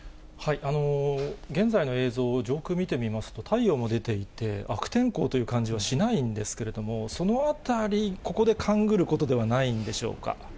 現在の映像を上空見てみますと、太陽も出ていて、悪天候という感じはしないんですけれども、そのあたり、ここで勘ぐることではないんでしょうか。